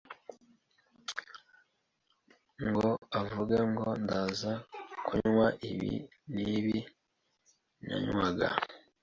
ngo avuge ngo ndaza kunywa ibi n’ibi nanywaga